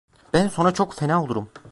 Ben sonra çok fena olurum!